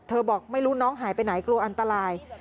บอกไม่รู้น้องหายไปไหนกลัวอันตราย